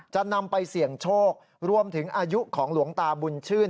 จะนำไปเสี่ยงโชครวมถึงอายุของหลวงตาบุญชื่น